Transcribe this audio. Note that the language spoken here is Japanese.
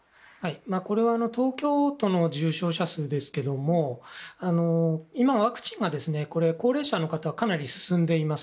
これは東京都の重症者数ですが今、ワクチンが高齢者の方はかなり進んでいます。